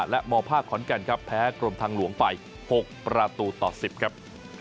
และมภาคขอนแก่นครับแพ้กรมทางหลวงไป๖ประตูต่อ๑๐ครับ